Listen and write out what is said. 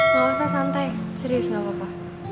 gak usah santai serius gapapa